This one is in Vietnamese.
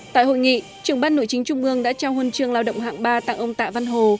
tại hội nghị trưởng ban nội chính trung ương đã trao huân trường lao động hạng ba tặng ông tạ văn hồ